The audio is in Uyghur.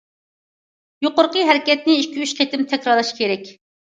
يۇقىرىقى ھەرىكەتنى ئىككى- ئۈچ قېتىم تەكرارلاش كېرەك.